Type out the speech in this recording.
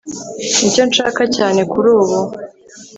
Nicyo nshaka cyane kurubu